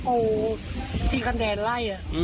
โอ้โฮที่กันแดนไร่